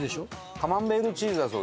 カマンベールチーズだそうです。